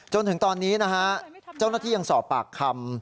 จนถึงตอนนี้นะฮะเจ้าหน้าที่ยังสอบปากคำ